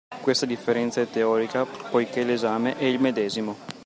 Questa differenza è teorica poichè l’esame è il medesimo